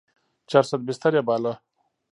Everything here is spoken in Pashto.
چارصد بستر يې باله.